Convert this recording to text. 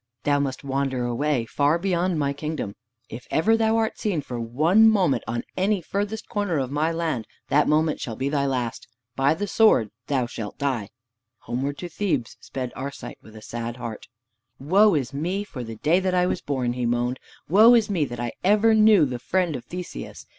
Thou must wander away far beyond my kingdom. If ever thou art seen for one moment on any furthest corner of my land, that moment shall be thy last. By the sword thou shalt die." Homeward to Thebes sped Arcite with a sad heart. "Woe is me for the day that I was born!" he moaned; "woe is me that ever I knew the friend of Theseus!